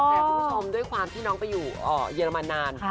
แต่คุณผู้ชมด้วยความที่น้องไปอยู่เยอรมันนาน